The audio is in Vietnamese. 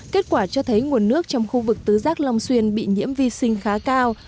kết quả cho thấy nguồn nước trong khu vực tứ giác long xuyên bị nhiễm vi sinh khá cao